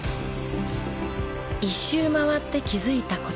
一周回って気づいた答え。